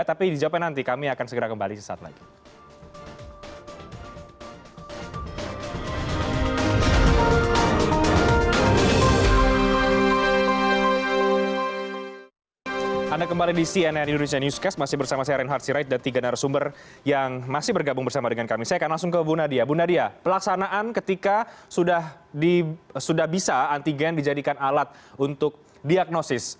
tapi di jawabnya nanti kami akan segera kembali sesaat lagi